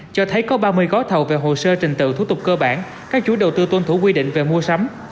cho thấy có ba mươi gói thầu về hồ sơ trình tự thủ tục cơ bản các chủ đầu tư tuân thủ quy định về mua sắm